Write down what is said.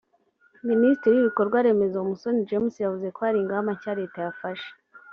Minisitiri w’ibikorwaremezo Musoni James yavuze ko hari ingamba nshya Leta yafashe